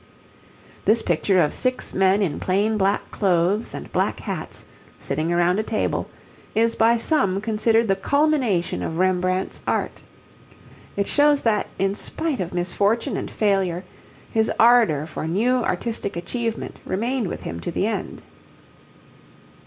This picture of six men in plain black clothes and black hats, sitting around a table, is by some considered the culmination of Rembrandt's art. It shows that, in spite of misfortune and failure, his ardour for new artistic achievement remained with him to the end.